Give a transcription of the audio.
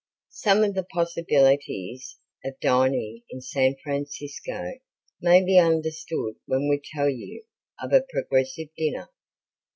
Some of the possibilities of dining in San Francisco may be understood when we tell you of a progressive dinner.